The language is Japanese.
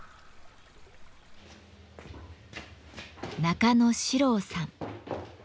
中野史朗さん。